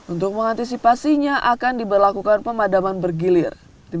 untuk mengantisipasinya akan diberlakukan pemadaman bergilir